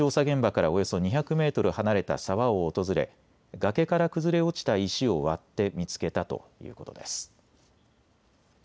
現場からおよそ２００メートル離れた沢を訪れ崖から崩れ落ちた石を割って見つけたということです。